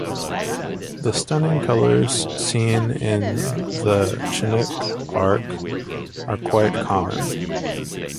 The stunning colours seen in the Chinook arch are quite common.